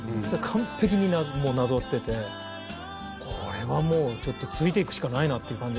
完璧にもうなぞっててこれはもうちょっとついていくしかないなっていう感じだった